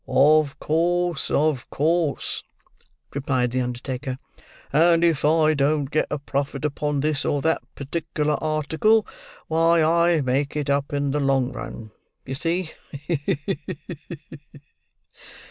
"Of course, of course," replied the undertaker; "and if I don't get a profit upon this or that particular article, why, I make it up in the long run, you see—he! he! he!"